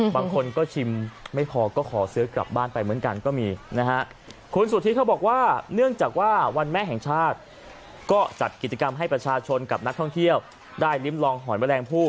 บางคนก็ชิมไม่พอร์คอยซื้อกลับบ้านไปเหมือนกันก็มีนะครับ